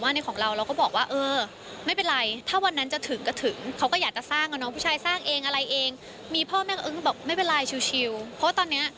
ไม่มีผลกับความสัมพันธ์ของความรักทั้งคู่ค่ะ